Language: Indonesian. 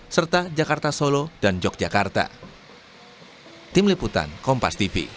serta jakarta solo dan yogyakarta